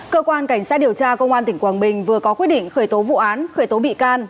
cơ quan cảnh sát điều tra công an tỉnh quảng bình vừa có quyết định khởi tố vụ án khởi tố bị can